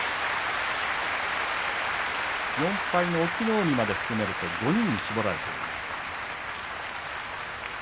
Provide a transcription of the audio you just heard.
４敗の隠岐の海まで含めると５人に絞られます。